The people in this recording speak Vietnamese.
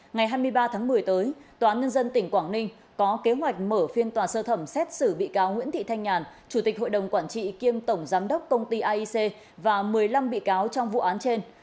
ngày hai mươi ba tháng một mươi tới tòa nhân dân tỉnh quảng ninh có kế hoạch mở phiên tòa sơ thẩm xét xử bị cáo nguyễn thị thanh nhàn chủ tịch hội đồng quản trị kiêm tổng giám đốc công ty aic và một mươi năm bị cáo trong vụ án trên